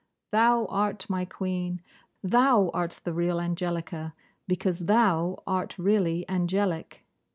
Thou art my Queen. Thou art the real Angelica, because thou art really angelic.